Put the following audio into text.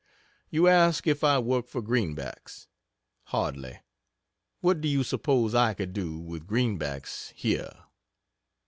You ask if I work for greenbacks? Hardly. What do you suppose I could do with greenbacks here?